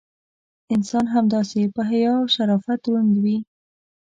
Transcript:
انسان همداسې: په حیا او شرافت دروند وي.